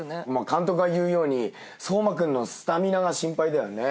監督が言うように颯真君のスタミナが心配だよね。